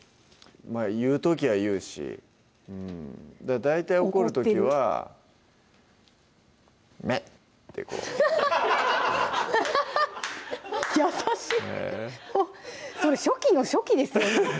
まぁ言う時は言うし大体怒る時は「メッ！」ってこう優しいそれ初期の初期ですよね